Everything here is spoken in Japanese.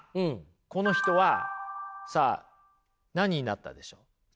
この人はさあ何になったでしょう？